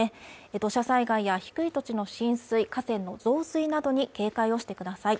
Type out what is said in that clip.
土砂災害や低い土地の浸水河川の増水などに警戒をしてください。